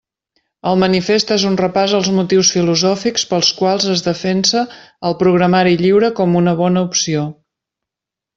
El manifest és un repàs als motius filosòfics pels quals es defensa el programari lliure com una bona opció.